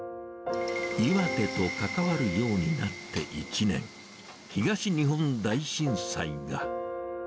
岩手と関わるようになって１年、東日本大震災が。